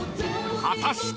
［果たして？］